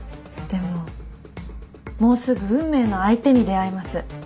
でももうすぐ運命の相手に出会います。